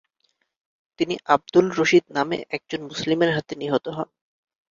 তিনি আব্দুল রশিদ নামে একজন মুসলিমের হাতে নিহত হন।